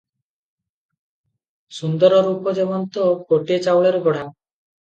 ସୁନ୍ଦର ରୂପ ଯେମନ୍ତ ଗୋଟିଏ ଚାଉଳରେ ଗଢ଼ା ।